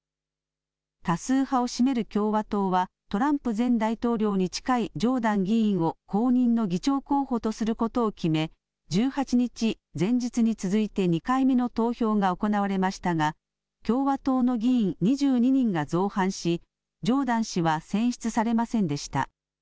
多数派を占める共和党は、トランプ前大統領に近いジョーダン議員を後任の議長候補とすることを決め、１８日、前日に続いて２回目の投票が行われましたが、共和党の議員２２人が造反し、ジョーダン氏は選出されませんでした。